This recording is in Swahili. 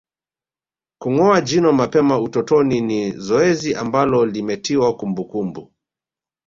Kungoa jino mapema utotoni ni zoezi ambalo limetiwa kumbukumbu